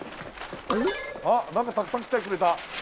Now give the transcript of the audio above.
あっ何かたくさん来てくれた。